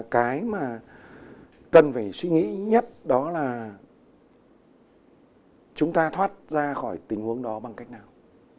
cái mà cần phải suy nghĩ nhất đó là chúng ta thoát ra khỏi tình huống đó bằng cách nào